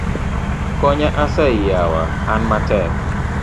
Konya asayi yawa, an matek.